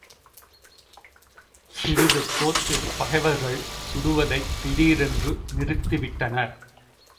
சிறிது கோத்தில் பகைவர்கள் சுடுவதைத் திடீரென்று நிறுத்தி விட்டனர்.